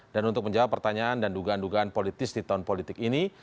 dan untuk menjawab pertanyaan dan dugaan dugaan politis di tahun politik ini